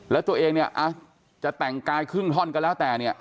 แล้วตัวเองเนี่ยจะแต่งกายครึ่งท่อนก็แล้วแต่เนี่ย